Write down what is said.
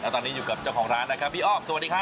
ตอนนี้อยู่กับเจ้าของร้านนะครับพี่อ้อมสวัสดีครับ